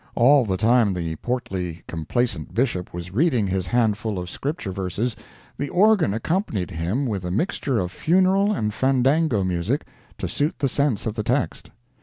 All the time the portly, complacent Bishop was reading his handful of Scripture verses, the organ accompanied him with a mixture of funeral and fandango music, to suit the sense of the text.